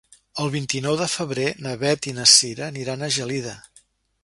El vint-i-nou de febrer na Beth i na Cira aniran a Gelida.